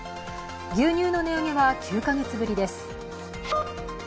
牛乳の値上げは９か月ぶりです。